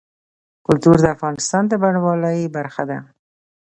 کلتور د افغانستان د بڼوالۍ برخه ده.